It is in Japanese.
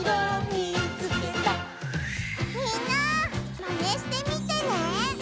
みんなマネしてみてね！